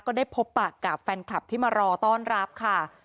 ก็ได้พบปากกับแฟนคลับที่มารอต้อนรับค่ะ